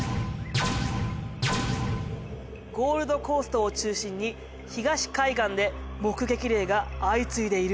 ゴールドコーストを中心に東海岸で目撃例が相次いでいるわ。